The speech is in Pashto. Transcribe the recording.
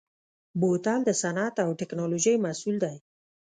بوتل د صنعت او تکنالوژۍ محصول دی.